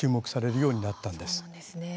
そうなんですね。